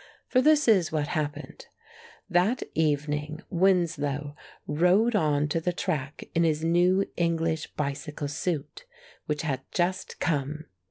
For this is what happened: That evening Winslow rode on to the track in his new English bicycle suit, which had just come.